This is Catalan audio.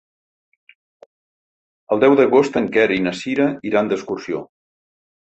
El deu d'agost en Quer i na Cira iran d'excursió.